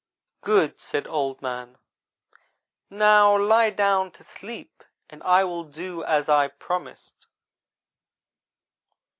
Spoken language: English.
' "'Good,' said Old man, 'now lie down to sleep and I will do as I promised.'